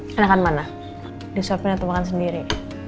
mas enakan mana disuapin atau makan sendiri